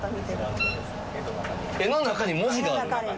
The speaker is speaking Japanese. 絵の中に文字がある？